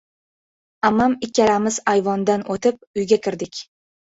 Ammam ikkalamiz ayvondan o‘tib, uyga kirdik.